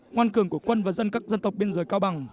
ngoan cường của quân và dân các dân tộc biên giới cao bằng